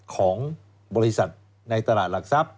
ของบริษัทในตลาดหลักทรัพย